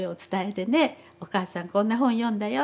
お母さんこんな本読んだよ